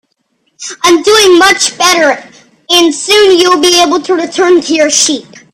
I'm doing much better, and soon you'll be able to return to your sheep.